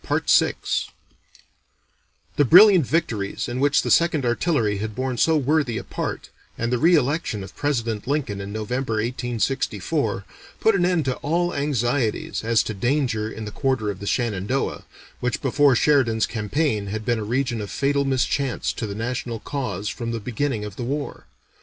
The brilliant victories in which the Second Artillery had borne so worthy a part, and the re election of President Lincoln in November (1864), put an end to all anxieties as to danger in the quarter of the Shenandoah, which before Sheridan's campaign had been a region of fatal mischance to the national cause from the beginning of the war.